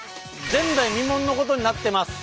前代未聞のことになってます。